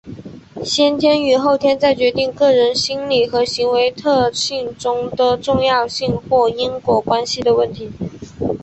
先天与后天在决定个人心理和行为特性中的重要性或因果关系的问题。